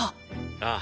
ああ。